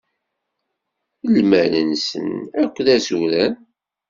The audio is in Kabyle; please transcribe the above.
Lmal-nsen akk d azuran.